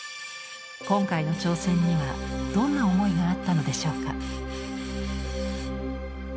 今回の挑戦にはどんな思いがあったのでしょうか。